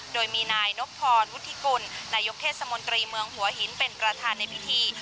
โดยมีนายนบพรวุฒิกุลนายกเทศมนตรีเมืองหัวหินเป็นประธานในพิธี